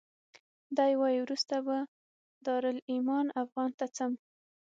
دی وایي وروسته به دارالایمان افغان ته ځم.